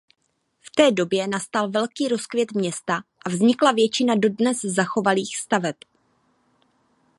V té době nastal velký rozkvět města a vznikla většina dodnes zachovaných staveb.